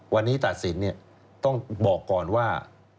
วันนี้ตัดสินต้องบอกก่อนว่า